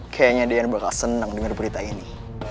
kayaknya dian bakal senang dengan berita ini